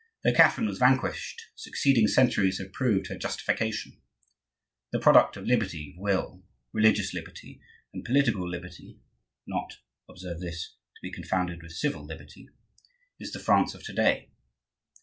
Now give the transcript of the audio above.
Though Catherine was vanquished, succeeding centuries have proved her justification. The product of liberty of will, religious liberty, and political liberty (not, observe this, to be confounded with civil liberty) is the France of to day.